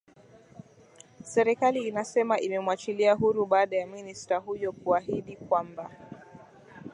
serekali inasema imemwachilia huru baada ya minister huyo kuhaidi kwamba